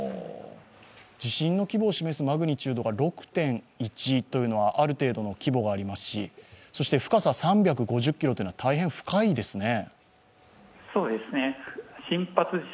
地震の規模を示すマグニチュードが６．１というのはある程度の規模がありますし、深さ３５０ｋｍというのは大変深いですね。